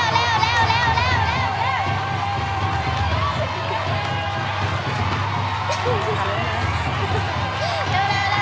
เร็ว